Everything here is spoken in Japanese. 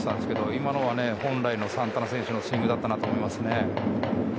今のは本来のサンタナ選手のスイングだったなと思いますね。